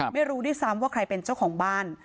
ไม่รู้ด้วยซ้ำว่าใครเป็นเจ้าของบ้าน